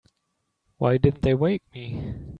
Why didn't they wake me?